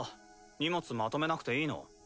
荷物まとめなくていいの？